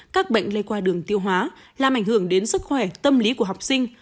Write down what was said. các bệnh lây qua đường tiêu hóa làm ảnh hưởng đến sức khỏe tâm lý của học sinh